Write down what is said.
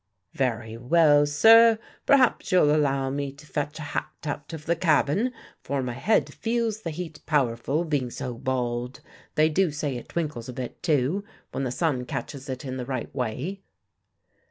"Very well, sir. Perhaps you'll allow me to fetch a hat out of the cabin; for my head feels the heat powerful, being so bald. They do say it twinkles a bit, too, when the sun catches it the right way."